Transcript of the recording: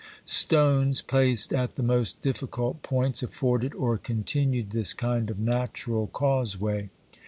Stones placed at the most difficult points afforded or continued this kind of natural causeway.